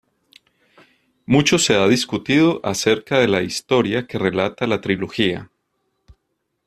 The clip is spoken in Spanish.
Mucho se ha discutido acerca de la historia que relata la Trilogía.